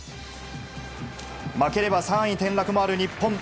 負ければ３位転落もある日本。